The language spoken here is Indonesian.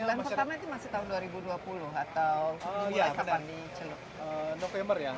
bulan pertama itu masih tahun dua ribu dua puluh atau mulai kapan di celuk